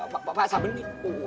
pak pak sabeni